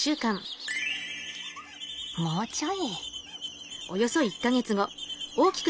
もうちょい。